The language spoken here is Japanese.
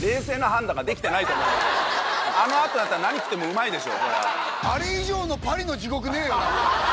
あの後だったら何食ってもうまいでしょ。